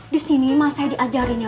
disini masih diajarinnya